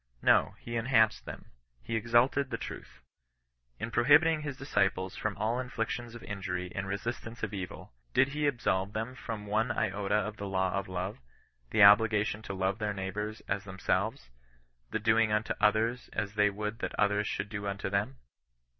No; he enhanced them : He exalted the truth. In prohibiting his disciples from all inflictions of injury in resistance of evil, did he absolve them from one iota of the law of love — the obligation to love their neighbours as them selves — ^the doing unto others as they would that others should do unto them